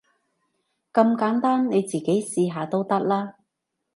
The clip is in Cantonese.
咁簡單，你自己試下都得啦